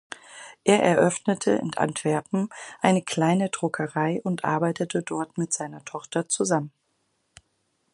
Er eröffnete in Antwerpen eine kleine Druckerei und arbeitete dort mit seiner Tochter zusammen.